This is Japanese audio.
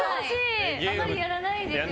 あまりやらないです。